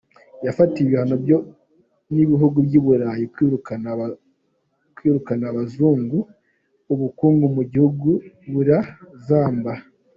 Yafatiwe ibihano n’ibihugu by’i Burayi kubera kwirukana abazungu, ubukungu mu gihugu burazamba.